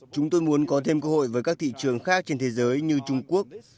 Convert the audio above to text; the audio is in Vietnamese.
chúng tôi muốn có thêm cơ hội với các thị trường khác trên thế giới như trung quốc